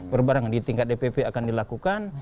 berbarengan di tingkat dpp akan dilakukan